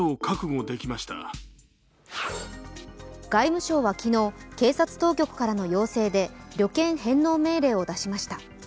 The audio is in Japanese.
外務省は昨日、警察当局の要請で旅券返納命令を出しました。